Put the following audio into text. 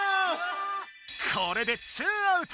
これで２アウト。